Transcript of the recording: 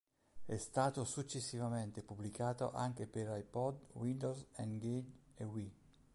È stato successivamente pubblicato anche per iPod, Windows, N-Gage e Wii.